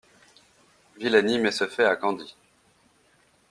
Villani met ce fait à Candie.